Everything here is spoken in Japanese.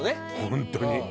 本当に。